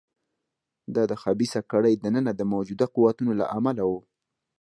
دا د خبیثه کړۍ دننه د موجوده قوتونو له امله و.